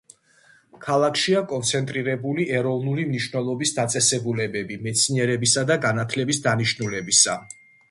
ქალაქშია კონცენტრირებული ეროვნული მნიშვნელობის დაწესებულებები მეცნიერებისა და განათლების დანიშნულებისა.